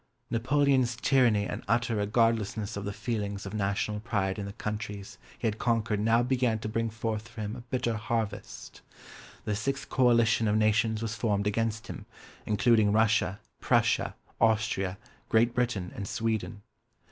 Napoleon's tyranny and utter regardlessness of the feelings of national pride in the countries he had conquered now began to bring forth for him a bitter harvest. The Sixth Coalition of nations was formed against him, including Russia, Prussia, Austria, Great Britain and Sweden.